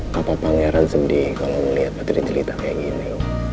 papa pangeran sendiri kalau melihat putri jelita kayak gini